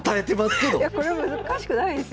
これ難しくないですよ。